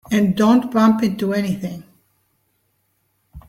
And don't bump into anything.